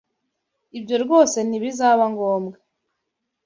Ibyo rwose ntibizaba ngombwa.